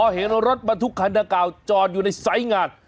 เห็นรถมาทุกคันตะกาวจอดอยู่ในไซส์งาน